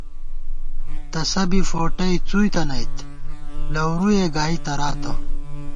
تسہ بی فوٹئ څُوئیتَنَئیت لَورُوئے گائی تراتہ